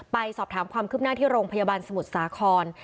ไปสอบถามความคืบหน้าที่โรงพยาบาลสมุทรสาคร